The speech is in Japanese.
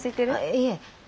いえ。